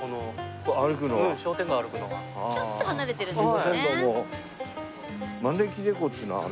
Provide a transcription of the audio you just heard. ちょっと離れてるんですよね。